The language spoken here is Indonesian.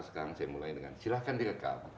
sekarang saya mulai dengan silahkan direkam